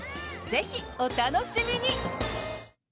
ぜひ、お楽しみに！